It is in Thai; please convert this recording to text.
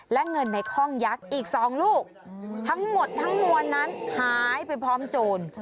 และเงินในข้องยักษ์อีก๒ลูกทั้งหมดทั้งมวลนั้นหายไปพร้อมโจร